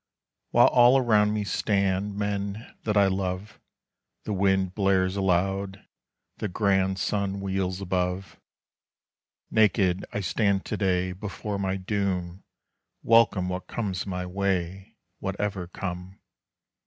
While all around me stand Men that I love, The wind blares aloud, the grand Sun wheels above. Naked I stand to day Before my doom, Welcome what comes my way, Whatever come.